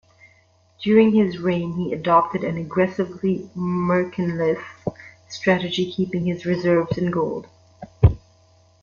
During his reign, he adopted an aggressively mercantilist strategy, keeping his reserves in gold.